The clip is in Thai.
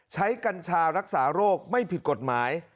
กัญชารักษาโรคไม่ผิดกฎหมาย